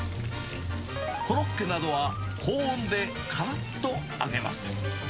コロッケなどは高温でからっと揚げます。